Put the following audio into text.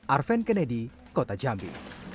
arven kennedy kota jambi